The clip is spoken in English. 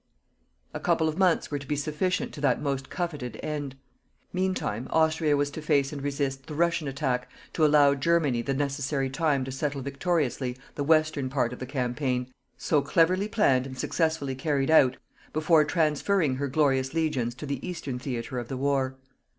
A couple of months were to be sufficient to that most coveted end. Meantime Austria was to face and resist the Russian attack, to allow Germany the necessary time to settle victoriously the western part of the campaign, so cleverly planned and successfully carried out, before transferring her glorious legions to the Eastern theatre of the war.